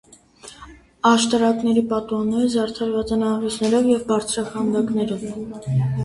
Աշտարակներուն պատուհանները զարդարուած են աղիւսներով եւ բարձրաքանդակներով։